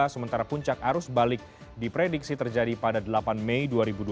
sementara puncak arus balik diprediksi terjadi pada delapan mei dua ribu dua puluh